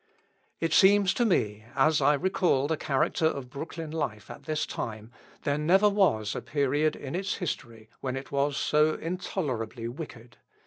It seems to me, as I recall the character of Brooklyn life at this time, there never was a period in its history when it was so intolerably wicked.